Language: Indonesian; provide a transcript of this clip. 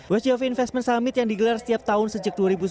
west of investment summit yang digelar setiap tahun sejak dua ribu sembilan belas